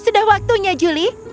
sudah waktunya julie